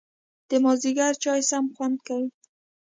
د مازیګر چای سم خوند کوي